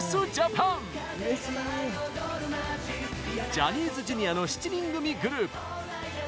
ジャニーズＪｒ．の７人組グループ。